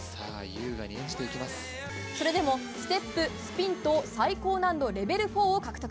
それでもステップ、スピンと最高難度レベル４を獲得。